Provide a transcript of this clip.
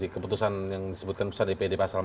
keputusan yang disebutkan dpd pasal empat puluh empat